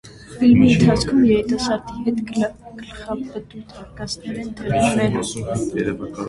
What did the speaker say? Ֆիլմի ընթացքում երիտասարդի հետ գլխապտույտ արկածներ են տեղի ունենում։